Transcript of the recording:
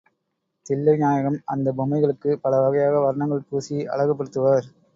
தில்லை நாயகம் அந்தப் பொம்மைகளுக்குப் பல வகையாக வர்ணங்கள் பூசி அழகுபடுத்துவார்.